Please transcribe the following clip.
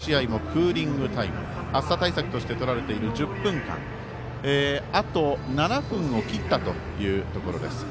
日ざしは遮られていますが蒸し暑さもあってクーリングタイム暑さ対策としてとられている１０分間、あと７分を切ったというところです。